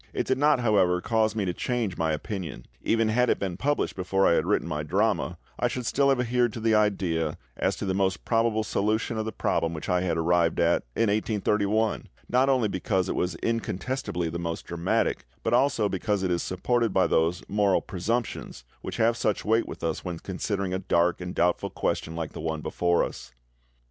It did not, however, cause me to change my opinion. Even had it been published before I had written my drama, I should still have adhered to the idea as to the most probable solution of the problem which I had arrived at in 1831, not only because it was incontestably the most dramatic, but also because it is supported by those moral presumptions which have such weight with us when considering a dark and doubtful question like the one before us.